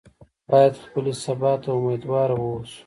باید خپلې سبا ته امیدواره واوسو.